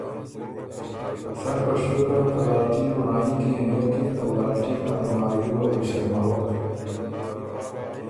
سن په شیو که ته لالټېن رونړايي کی هېئکِن ته لالټېن ا رونړايي وه بو ݭرموَک